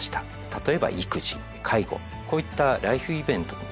例えば育児介護こういったライフイベントに合わせてですね